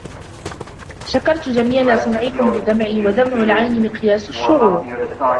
شكرت جميل صنعكم بدمعي ، ودمع العين مقياس الشعور.